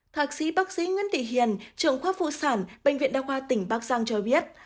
thạc sĩ bác sĩ nguyễn thị hiền trưởng khoa phụ sản bệnh viện đa khoa tỉnh bắc giang cho biết